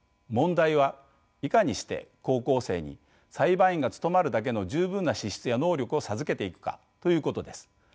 問題はいかにして高校生に裁判員が務まるだけの十分な資質や能力を授けていくかということです。